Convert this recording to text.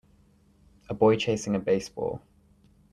A boy chasing a baseball.